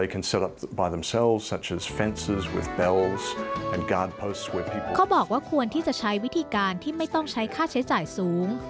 เขาบอกว่าควรที่จะใช้วิธีการที่ไม่ต้องใช้ค่าใช้จ่ายสูง